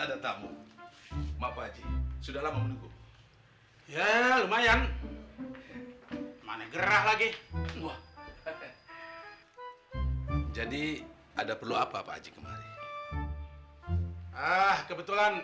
ada tamu maaf sudah lama ya lumayan mana gerah lagi jadi ada perlu apa apa aja kemarin ah kebetulan